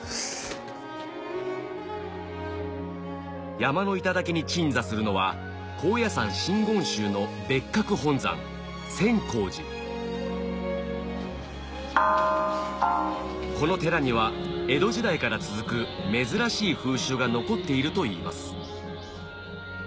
山の頂に鎮座するのは高野山真言宗の別格本山この寺には江戸時代から続く珍しい風習が残っているといいます